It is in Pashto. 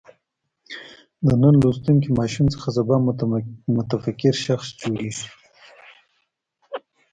د نن لوستونکی ماشوم څخه سبا متفکر شخص جوړېږي.